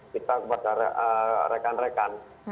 kita kepada rekan rekan